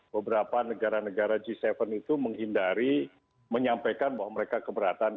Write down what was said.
beberapa negara negara g tujuh itu menghindari menyampaikan bahwa mereka keberatan